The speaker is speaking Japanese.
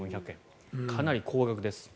かなり高額です。